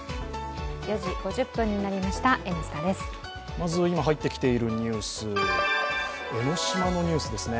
まず今、入ってきているニュース、江の島のニュースですね。